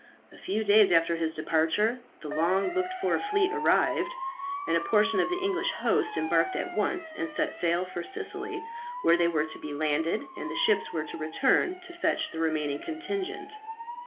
A few days after his departure, the long looked for fleet arrived, and a portion of the English host embarked at once, and set sail for Sicily, where they were to be landed, and the ships were to return to fetch the remaining contingent.